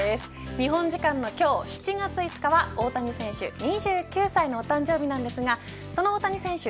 日本時間の今日７月５日は大谷選手２９歳のお誕生日なんですがその大谷選手